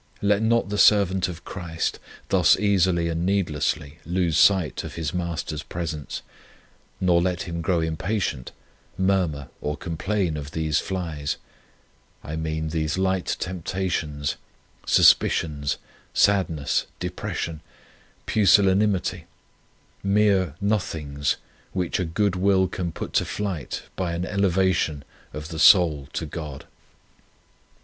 Let not the servant of Christ thus easily and needlessly lose sight of his Master s presence, nor let him grow impatient, murmur, or com plain of these flies; I mean these light temptations, suspicions, sad ness, depression, pusillanimity mere nothings which a good will can put to flight by an elevation of the soul to God.